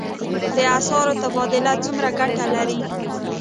د اسعارو تبادله څومره ګټه لري؟